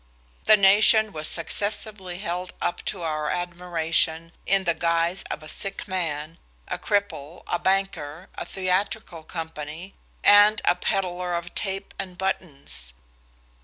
The nation was successively held up to our admiration in the guise of a sick man, a cripple, a banker, a theatrical company, and a peddler of tape and buttons.